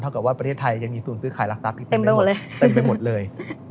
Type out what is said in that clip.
เท่ากับว่าประเทศไทยยังมีศูนย์ซื้อขายหลักทรัพย์เต็มไปหมดเลย